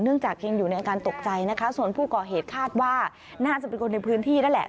จากยังอยู่ในอาการตกใจนะคะส่วนผู้ก่อเหตุคาดว่าน่าจะเป็นคนในพื้นที่นั่นแหละ